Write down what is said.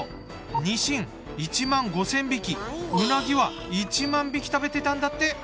ニシン１５，０００匹ウナギは１０，０００匹食べてたんだって。